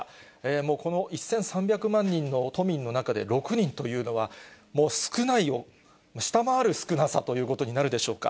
もうこの１３００万人の都民の中で６人というのは、もう少ないを下回る少なさということになるでしょうか。